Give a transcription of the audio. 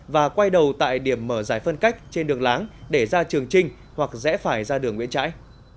và quay đầu tại điểm mở giải phân cách trên đường láng để ra trường trinh hoặc rẽ phải ra đường nguyễn trãi